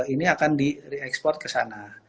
ini akan di ekspor ke sana